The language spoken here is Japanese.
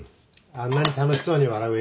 あんなに楽しそうに笑うエイジ